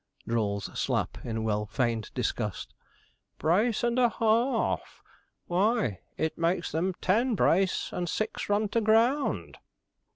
drawls Slapp, in well feigned disgust; 'brace and a ha r r f! why, it makes them ten brace, and six run to ground.'